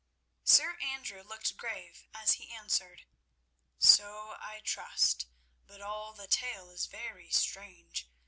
Sir Andrew looked grave as he answered. "So I trust, but all the tale is very strange.